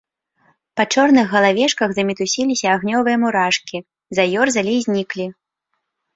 Па чорных галавешках замітусіліся агнёвыя мурашкі, заёрзалі і зніклі.